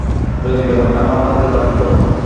যদি ব্যাপারটা আমার হাতে থাকতো।